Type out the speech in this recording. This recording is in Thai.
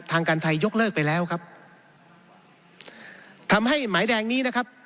ทางการไทยยกเลิกไปแล้วครับทำให้หมายแดงนี้นะครับ